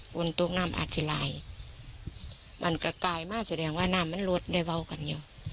ฝนตุ๊กน้ำอัดสิรายมันกระกายมาแสดงว่าน้ำมันลดได้เวากันอยู่